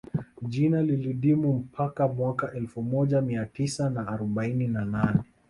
Jina lilidumu mpaka mwaka elfu moja Mia Tisa na arobaini na nane